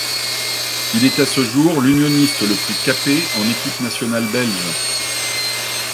Il est à ce jour, l'Unioniste le plus capé en équipe nationale belge.